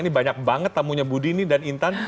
ini banyak banget tamunya budi ini dan intan